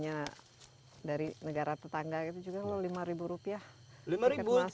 apalagi kalau pengunjungnya dari negara tetangga